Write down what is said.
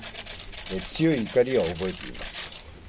強い怒りを覚えています。